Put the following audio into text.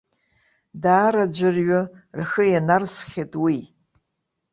Даара аӡәырҩы рхы ианарсхьеит уи.